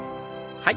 はい。